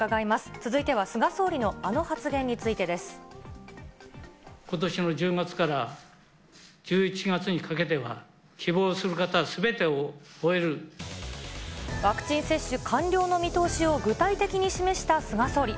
続いては菅総理のあの発言についことしの１０月から１１月にかけては、ワクチン接種完了の見通しを具体的に示した菅総理。